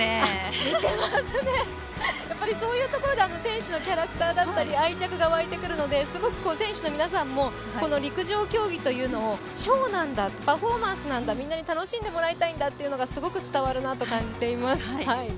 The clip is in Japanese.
やっぱり、そういうところで選手のキャラクターだったり愛着が沸いてくるので、選手の皆さんも陸上競技というのをショーなんだ、パフォーマンスなんだ、みんなに楽しんでもらいたいんだということがすごく伝わるなと感じています。